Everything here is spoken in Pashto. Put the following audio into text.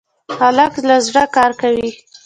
هلک له زړه کار کوي.